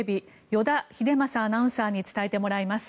依田英将アナウンサーに伝えてもらいます。